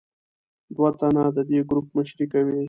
دوه تنه د دې ګروپ مشري کوي.